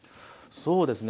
そうですね